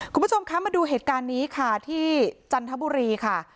คุณผู้ชมคะมาดูเหตุการณ์นี้ค่ะที่จันทบุรีค่ะ